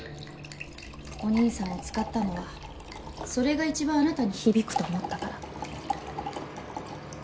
お兄さんを使ったのはそれが一番あなたに響くと思ったから。